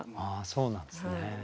そうなんですね。